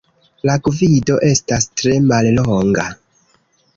La gvido estas tre mallonga.